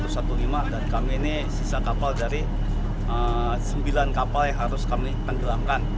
satgas satu ratus lima belas dan kami ini sisa kapal dari sembilan kapal yang harus kami penggelamkan